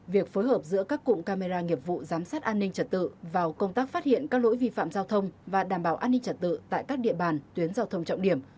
việc phối hợp giữa các cụm camera nghiệp vụ giám sát an ninh trật tự vào công tác phát hiện các lỗi vi phạm giao thông và đảm bảo an ninh trật tự tại các địa bàn tuyến giao thông trọng điểm